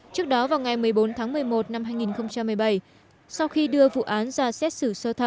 trước đó vào ngày một mươi bốn tháng một mươi một năm hai nghìn một mươi bảy sau khi đưa vụ án ra xét xử